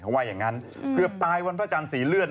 เขาว่าอย่างนั้นเกือบตายวันพระจันทร์สีเลือด